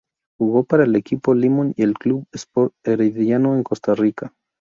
Jugó para el Equipo Limón y el Club Sport Herediano en Costa Rica.